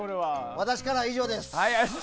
私からは以上です。